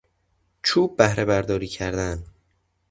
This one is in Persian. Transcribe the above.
چوب بهرهبرداری کردن